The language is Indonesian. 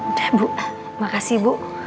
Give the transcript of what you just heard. udah bu makasih bu